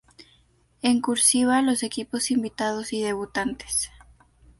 En "cursiva" los equipos invitados y debutantes.